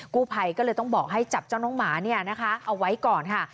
กู้ภัยก็เลยต้องบอกให้จับเจ้าน้องหมาเนี่ยนะคะเอาไว้ก่อนค่ะ